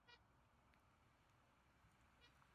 Amin alikimbia na kukaa ugenini nchini Libya